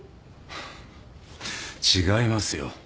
ハッ違いますよ。